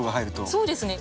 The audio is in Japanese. そうですね。